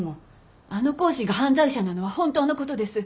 あの講師が犯罪者なのは本当のことです。